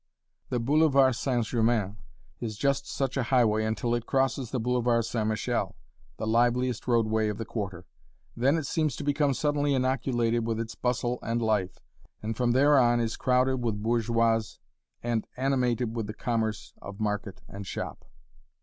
The Boulevard St. Germain is just such a highway until it crosses the Boulevard St. Michel the liveliest roadway of the Quarter. Then it seems to become suddenly inoculated with its bustle and life, and from there on is crowded with bourgeoise and animated with the commerce of market and shop.